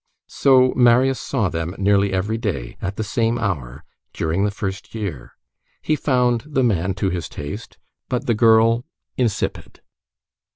So Marius saw them nearly every day, at the same hour, during the first year. He found the man to his taste, but the girl insipid.